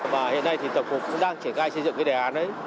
và hiện nay thì tổng cục cũng đang triển khai xây dựng cái đề án đấy